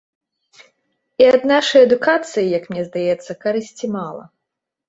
І ад нашай адукацыі, як мне здаецца, карысці мала.